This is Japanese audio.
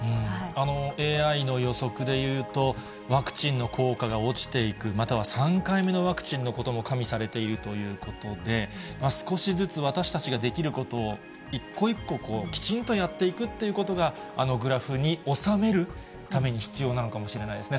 ＡＩの予測でいうと、ワクチンの効果が落ちていく、または３回目のワクチンのことも加味されているということで、少しずつ私たちができることを一個一個、きちんとやっていくっていうことが、あのグラフに収める必要なのかもしれないですね。